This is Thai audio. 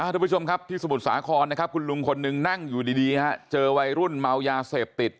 ทุกผู้ชมครับที่สมุทรสาครนะครับคุณลุงคนหนึ่งนั่งอยู่ดีเจอวัยรุ่นเมายาเสพติด